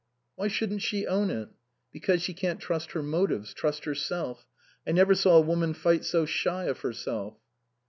" Why shouldn't she own it?" " Because she can't trust her motives, trust herself. I never saw a woman fight so shy of herself."